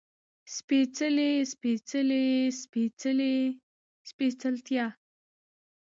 سپېڅلی، سپېڅلې، سپېڅلي، سپېڅلتيا